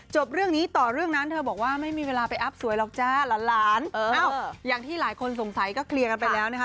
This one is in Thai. เรื่องนี้ต่อเรื่องนั้นเธอบอกว่าไม่มีเวลาไปอัพสวยหรอกจ้าหลานอย่างที่หลายคนสงสัยก็เคลียร์กันไปแล้วนะคะ